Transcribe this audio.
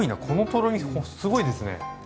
このとろみすごいですね。